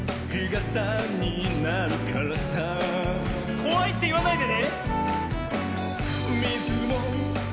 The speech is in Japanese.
「こわい」っていわないでね。